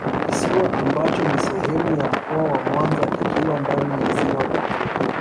kisiwa ambacho ni sehemu ya Mkoa wa Mwanza kikiwa ndani ya Ziwa Victoria